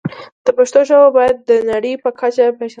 پښتو ژبه باید د نړۍ په کچه پېژندل شي.